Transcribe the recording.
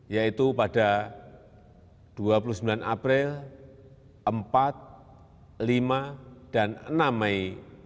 yaitu pada dua puluh sembilan april empat lima dan enam mei dua ribu dua puluh